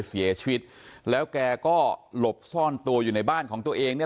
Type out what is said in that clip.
เสียชีวิตแล้วแกก็หลบซ่อนตัวอยู่ในบ้านของตัวเองเนี่ย